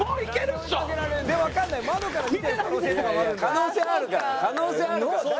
可能性あるから可能性あるから。